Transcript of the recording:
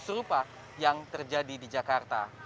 serupa yang terjadi di jakarta